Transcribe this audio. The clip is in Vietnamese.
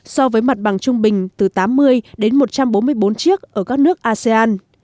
so với mặt bằng trung bình từ tám mươi đến một trăm bốn mươi bốn chiếc ở các nước asean